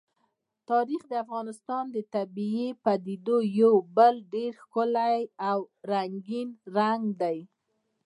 تاریخ د افغانستان د طبیعي پدیدو یو بل ډېر ښکلی او رنګین رنګ دی.